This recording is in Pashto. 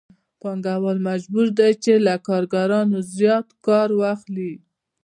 پانګوال مجبور دی چې له کارګرانو زیات کار واخلي